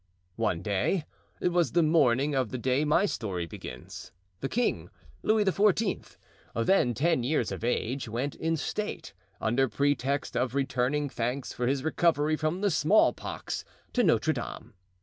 One day—it was the morning of the day my story begins—the king, Louis XIV., then ten years of age, went in state, under pretext of returning thanks for his recovery from the small pox, to Notre Dame.